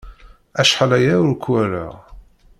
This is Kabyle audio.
Acḥal aya ur k-walaɣ.